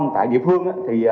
tại địa phương